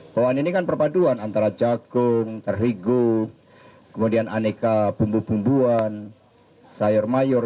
bawaan ini kan perpaduan antara jagung terhigu kemudian aneka bumbu bumbuan sayur mayur